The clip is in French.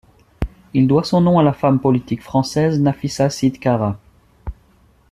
Il doit son nom à la femme politique française Nafissa Sid Cara.